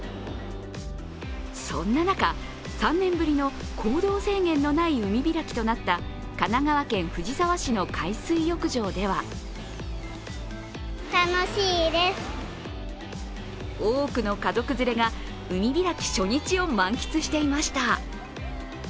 そんな中、３年ぶりの行動制限のない海開きとなった神奈川県藤沢市の海水浴場では多くの家族連れが海開き初日を満喫していました。